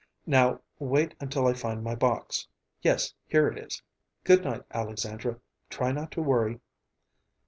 "Now, wait until I find my box. Yes, here it is. Good night, Alexandra. Try not to worry."